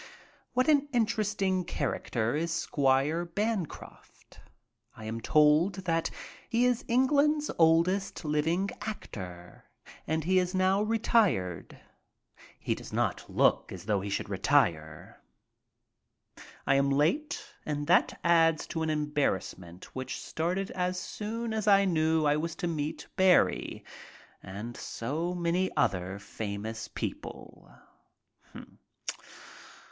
What an interesting character is Squire Bancroft. I am told that he is England's oldest living actor, and he is now retired. He does not look as though he should retire. I am late and that adds to an embarrassment which started as soon as I knew I was to meet Barrie and so many other famous people.